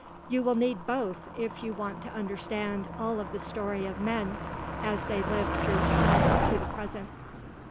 You will need both if you want to understand all of the story of men, as they lived through time to the present.